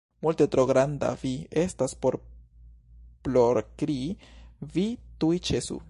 Multe tro granda vi estas por plorkrii, vi tuj ĉesu!